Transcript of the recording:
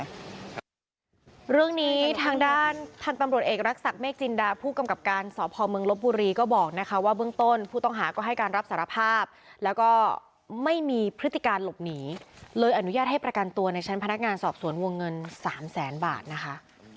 เรื่องนี้ทางด้านพันธุ์ตำรวจเอกรักษักเมฆจินดาผู้กำกับการสพเมืองลบบุรีก็บอกนะคะว่าเบื้องต้นผู้ต้องหาก็ให้การรับสารภาพแล้วก็ไม่มีพฤติการหลบหนีเลยอนุญาตให้ประกันตัวในชั้นพนักงานสอบสวนวงเงินสามแสนบาทนะคะ